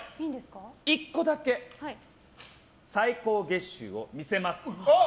１個だけ最高月収を見せます。